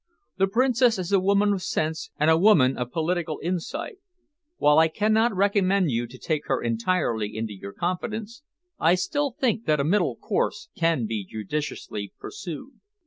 The Princess is a woman of sense and a woman of political insight. While I cannot recommend you to take her entirely into your confidence, I still think that a middle course can be judiciously pursued."